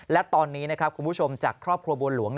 และตอนนี้คุณผู้ชมจากครอบครัวบวงหลวง